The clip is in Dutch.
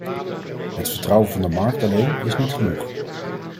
Het vertrouwen van de markt alleen is niet genoeg.